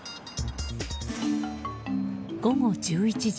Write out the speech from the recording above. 午後１１時。